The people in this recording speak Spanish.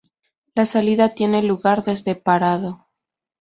La salida tiene lugar desde parado.